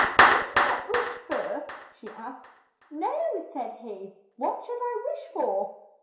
'' Did you not wish first ?'' she asked. "No," said he, "what should I wish for?"